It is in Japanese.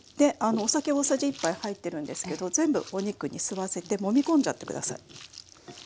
お酒大さじ１杯入ってるんですけど全部お肉に吸わせてもみ込んじゃって下さい。